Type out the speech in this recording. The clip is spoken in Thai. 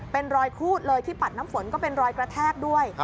เป็นรอยขูตที่ปัดน้ำฝนก็เป็นรอยกระแทก